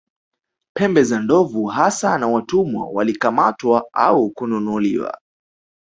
Pembe za ndovu hasa na Watumwa walikamatwa au kununuliwa